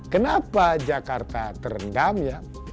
kenapa jakarta terendam ya